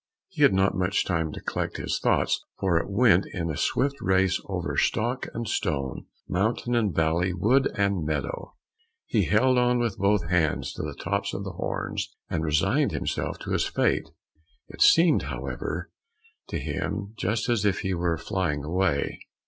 He had not much time to collect his thoughts, for it went in a swift race over stock and stone, mountain and valley, wood and meadow. He held with both hands to the tops of the horns, and resigned himself to his fate. It seemed, however, to him just as if he were flying away.